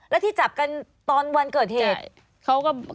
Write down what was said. แล้วที่จับกันตอนวันเกิดเหตุเขาก็